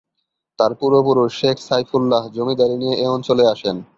তার পূর্বপুরুষ শেখ সাইফুল্লাহ জমিদারি নিয়ে এ অঞ্চলে আসেন।